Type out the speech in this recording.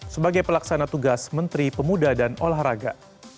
sebagai pelaksana tugas menteri pemuda dan olahraga